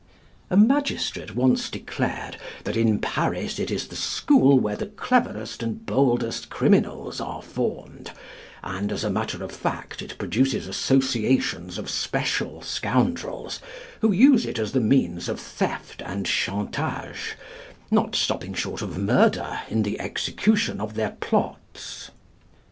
A magistrate once declared that 'in Paris it is the school where the cleverest and boldest criminals are formed; and as a matter of fact, it produces associations of special scoundrels, who use it as the means of theft and chantage, not stopping short of murder in the execution of their plots.'"